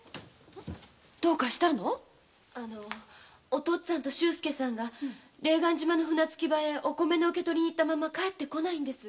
お父っつぁんと周介さんが霊岸島の船着き場へお米の受け取りに行ったきりなんです。